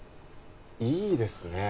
いいですねえ